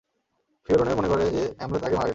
ফিওরনের মনে করে যে, অ্যামলেথ আগেই মারা গেছে।